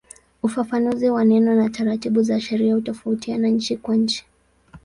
Ufafanuzi wa neno na taratibu za sheria hutofautiana nchi kwa nchi.